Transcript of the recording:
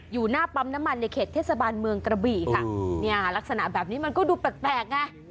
อยู่หน้าปั๊มน้ำมันในเขตเทศบาลเมืองกระบี่ค่ะเนี่ยลักษณะแบบนี้มันก็ดูแปลกไง